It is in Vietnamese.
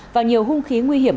và nhiều hung khí nguy hiểm